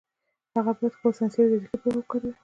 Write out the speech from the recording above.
هغه باید خپله ساینسي او ریاضیکي پوهه وکاروي.